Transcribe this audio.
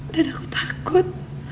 dan aku takut